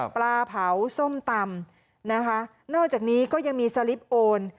ปลาเผาส้มตำนะคะนอกจากนี้ก็ยังมีสลิปโอน